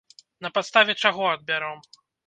На падставе чаго адбяром?